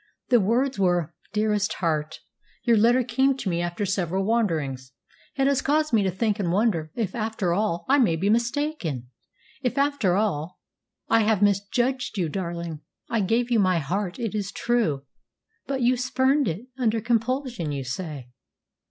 The words were: "DEAREST HEART, Your letter came to me after several wanderings. It has caused me to think and to wonder if, after all, I may be mistaken if, after all, I have misjudged you, darling. I gave you my heart, it is true. But you spurned it under compulsion, you say!